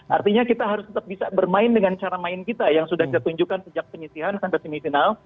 artinya kita harus tetap bisa bermain dengan cara main kita yang sudah kita tunjukkan sejak penyisihan sampai semifinal